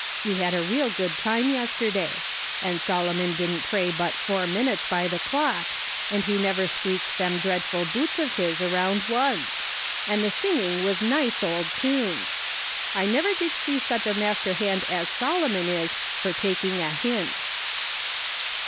We had a real good time yesterday ; and Solomon didn't pray but four minutes by the clock, and he never squeaked them dreadful boots of his around once ; and the singing was nice old tunes. I never did see such a master hand as Solomon is for taking a hint."